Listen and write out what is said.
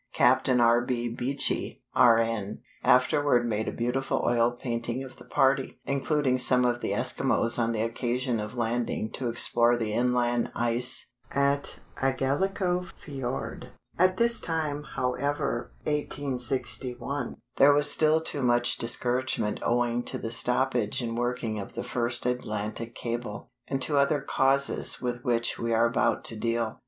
Captain R. B. Beechey, R.N., afterward made a beautiful oil painting of the party, including some of the Eskimos on the occasion of landing to explore the inland ice at Igaliko Fiord (see Fig. 33). At this time, however (1861), there was still too much discouragement owing to the stoppage in working of the first Atlantic cable, and to other causes with which we are about to deal.